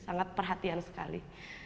sangat perhatian sekali